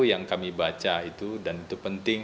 yang kami baca itu dan itu penting